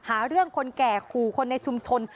หาเรื่องคนแก่ขู่คนในชุมชน